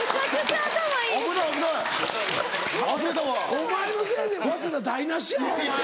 お前のせいで早稲田台無しやホンマ。